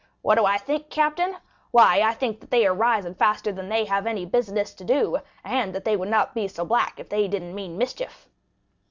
'What do I think, captain? Why I think that they are rising faster than they have any business to do, and that they would not be so black if they didn't mean mischief.